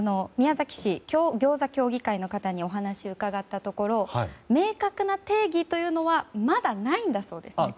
宮崎市ぎょうざ協議会の人にお話を伺ったところ明確な定義というのはまだないんだそうです。